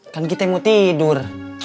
kan kita mau tidur